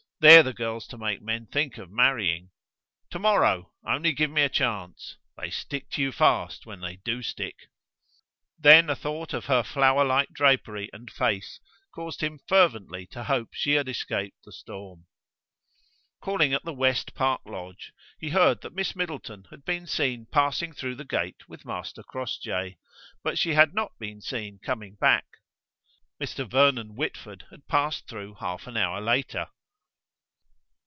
They're the girls to make men think of marrying. To morrow! only give me a chance. They stick to you fast when they do stick." Then a thought of her flower like drapery and face caused him fervently to hope she had escaped the storm. Calling at the West park lodge he heard that Miss Middleton had been seen passing through the gate with Master Crossjay; but she had not been seen coming back. Mr. Vernon Whitford had passed through half an hour later.